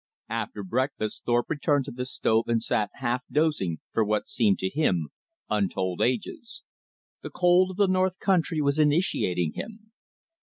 After breakfast Thorpe returned to this stove and sat half dozing for what seemed to him untold ages. The cold of the north country was initiating him.